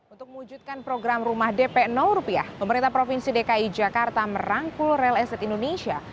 untuk mewujudkan program rumah dp rupiah pemerintah provinsi dki jakarta merangkul rel eset indonesia